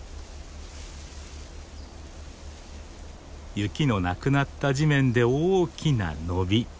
雪のなくなった地面で大きな伸び。